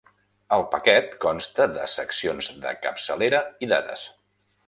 El paquet consta de seccions de capçalera i dades.